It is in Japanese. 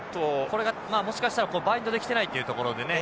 これがまあもしかしたらバインドできてないというところでね